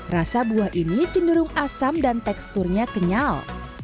rasa buah ini cenderung asam dan teksturnya kenyal